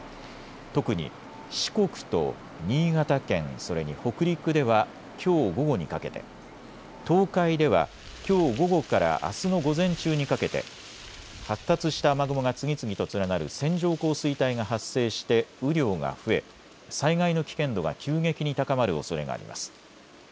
特に四国と新潟県、それに北陸ではきょう午後にかけて、東海ではきょう午後からあすの午前中にかけて発達した雨雲が次々と連なる線状降水帯が発生して雨量が増え災害の危険度が急激に高まるおそれがあります。